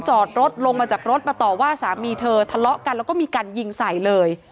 จอดรถลงมาจากรถมาต่อว่าสามีเธอทะเลาะกันแล้วก็มีการยิงใส่เลย